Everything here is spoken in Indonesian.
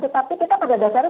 tetapi kita pada dasarnya